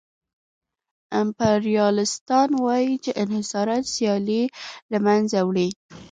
امپریالیستان وايي چې انحصارات سیالي له منځه وړي